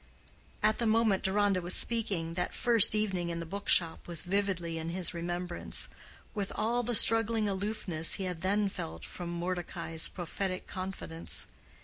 At the moment Deronda was speaking, that first evening in the book shop was vividly in his remembrance, with all the struggling aloofness he had then felt from Mordecai's prophetic confidence.